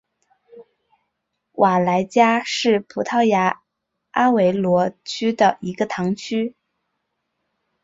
瓦莱加是葡萄牙阿威罗区的一个堂区。